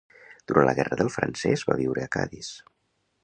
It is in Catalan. Durant la guerra del francès va viure a Cadis.